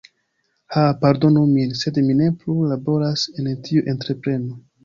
Ha pardonu min, sed mi ne plu laboras en tiu entrepreno.